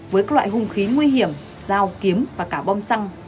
với các loại hung khí nguy hiểm dao kiếm và cả bom xăng